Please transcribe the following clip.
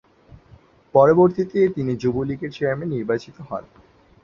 পরবর্তীতে তিনি যুবলীগের চেয়ারম্যান নির্বাচিত হন।